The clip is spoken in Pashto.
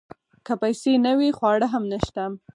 که پیسې نه وي خواړه هم نشته .